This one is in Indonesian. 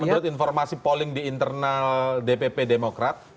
menurut informasi polling di internal dpp demokrat